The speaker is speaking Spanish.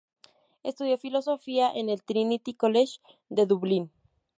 Estudió filosofía en el "Trinity College" de Dublín.